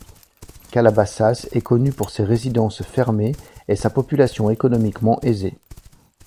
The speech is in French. Calabasas est connu pour ses résidences fermées et sa population économiquement aisée.